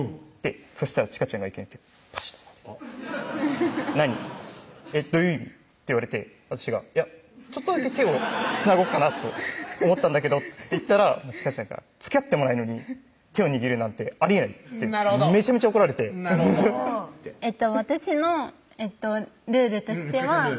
そしたらちかちゃんがいきなり手をバシッとやって「何？どういう意味？」って言われて私が「いやちょっとだけ手をつなごうかなと思ったんだけど」って言ったらちかちゃんが「つきあってもないのに手を握るなんてありえん」ってめちゃめちゃ怒られてなるほど私のルールとしてはちかちゃん